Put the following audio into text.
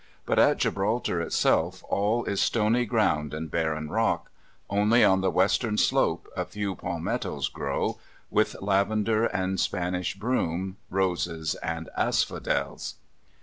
But at Gibraltar itself all is stony ground and barren rock; only on the western slope a few palmettos grow, with lavender and Spanish broom, roses and asphodels.